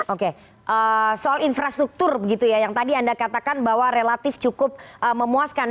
oke soal infrastruktur begitu ya yang tadi anda katakan bahwa relatif cukup memuaskan